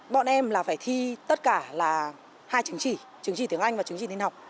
bọn em là phải thi tất cả là hai chứng chỉ chứng chỉ tiếng anh và chứng chỉ tin học